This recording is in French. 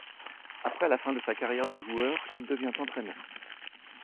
Après la fin de sa carrière de joueur, il devient entraîneur.